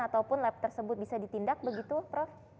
ataupun lab tersebut bisa ditindak begitu prof